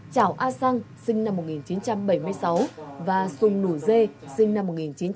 chảo a sang sinh năm một nghìn chín trăm bảy mươi sáu và sùng nủ dê sinh năm một nghìn chín trăm bảy mươi bốn